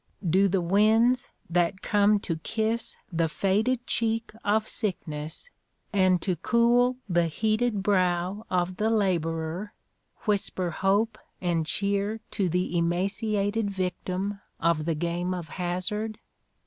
Do the winds that come to kiss the faded cheek of sickness, and to cool the heated brow of the laborer, whisper hope and cheer to the emaciated victim of the game of hazard?